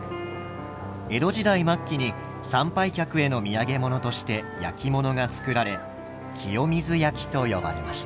江戸時代末期に参拝客への土産物として焼き物が作られ清水焼と呼ばれました。